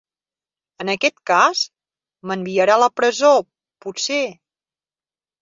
En aquest cas, m"enviarà a la presó, potser?